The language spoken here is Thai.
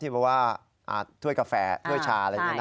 เพราะว่าถ้วยกาแฟถ้วยชาอะไรอย่างนี้นะ